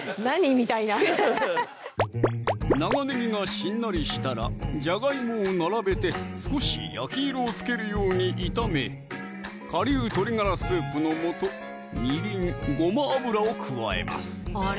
みたいな長ねぎがしんなりしたらじゃがいもを並べて少し焼き色をつけるように炒め顆粒鶏ガラスープの素・みりん・ごま油を加えますあれ？